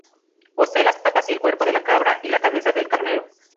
Posee las patas y el cuerpo de la cabra y la cabeza del carnero.